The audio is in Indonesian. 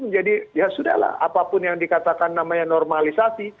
jadi ya sudah lah apapun yang dikatakan namanya normalisasi